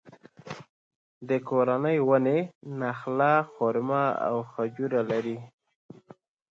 د کورنۍ ونې نخله، خورما او خجوره لري.